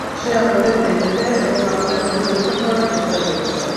সে আমাদের দেখছে এবং আমাদের প্রলুব্ধ করার চেষ্টা করছে।